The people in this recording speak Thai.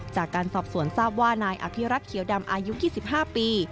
จากการสอบสวนทราบว่านายอภิรักษ์เขียวดำอายุ๒๕ปี